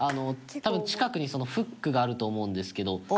多分、近くに、そのフックがあると思うんですけど。